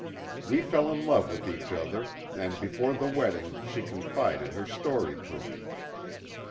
We fell in love with each other and before the wedding she confided her story to me.